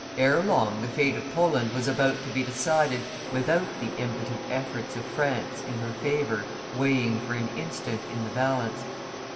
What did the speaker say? Ere long the fate of Poland was about to be decided without the impotent efforts of France in her favor weighing for an instant in the balance.